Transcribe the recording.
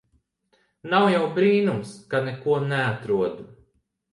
Nav jau brīnums ka neko neatrod.